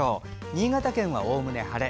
新潟県はおおむね晴れ。